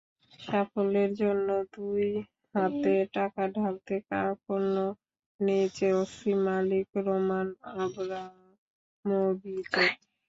সাফল্যের জন্য দুই হাতে টাকা ঢালতে কার্পণ্য নেই চেলসি মালিক রোমান আব্রামোভিচের।